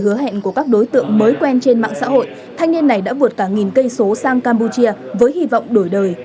hứa hẹn của các đối tượng mới quen trên mạng xã hội thanh niên này đã vượt cả nghìn cây số sang campuchia với hy vọng đổi đời